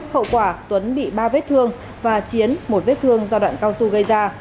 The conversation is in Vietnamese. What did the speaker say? hậu quả tuấn bị ba vết thương và chiến một vết thương do đoạn cao su gây ra